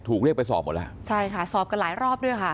ถูกเรียกไปสอบหมดแล้วใช่ค่ะสอบกันหลายรอบด้วยค่ะ